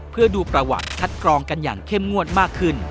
เพื่อดูประวัติคัดกรองกันอย่างเข้มงวดมากขึ้น